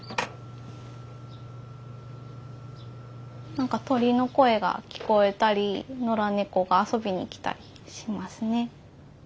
何か鳥の声が聞こえたり野良猫が遊びに来たりしますね。